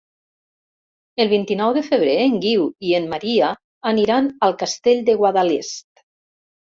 El vint-i-nou de febrer en Guiu i en Maria aniran al Castell de Guadalest.